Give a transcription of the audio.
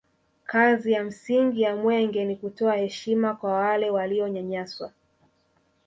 kazi ya msingi ya mwenge ni kutoa heshima kwa wale walionyanyaswa